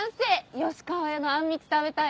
吉川屋のあんみつ食べたいわ。